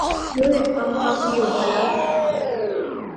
یہ ایہ کم کافی اوخا لغا